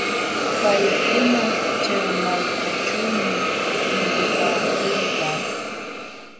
Paykuna chay malkaćhuumi yulipaakulqaa.